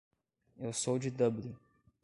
Eu sou de Dublin.